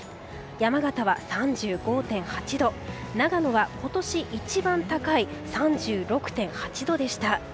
山形は３５．８度長野は今年一番高い３６．８度でした。